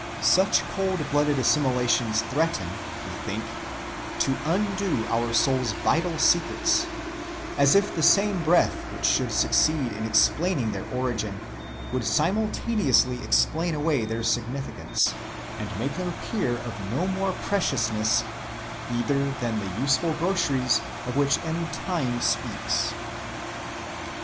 Such cold‐blooded assimilations threaten, we think, to undo our soul's vital secrets, as if the same breath which should succeed in explaining their origin would simultaneously explain away their significance, and make them appear of no more preciousness, either, than the useful groceries of which M. Taine speaks.